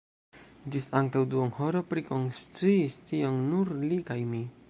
Ĝis antaŭ duonhoro prikonsciis tion nur li kaj mi.